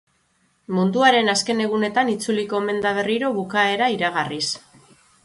Munduaren azken egunetan itzuliko omen da berriro, bukaera iragarriz.